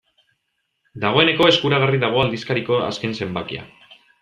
Dagoeneko eskuragarri dago aldizkariko azken zenbakia.